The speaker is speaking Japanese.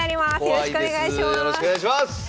よろしくお願いします！